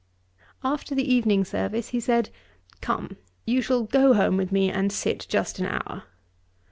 After the evening service, he said, 'Come, you shall go home with me, and sit just an hour.'